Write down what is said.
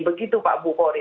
begitu pak bu kore